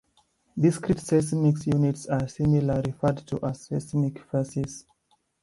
Discrete seismic units are similarly referred to as seismic facies.